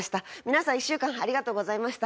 皆さん１週間ありがとうございました。